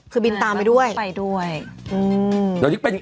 คือบินตามไปด้วย